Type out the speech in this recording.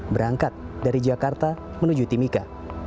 berangkat dari jakarta menuju timika